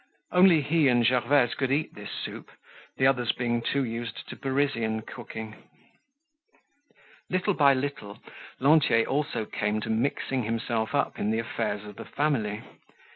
Only he and Gervaise could eat this soup, the others being too used to Parisian cooking. Little by little Lantier also came to mixing himself up in the affairs of the family.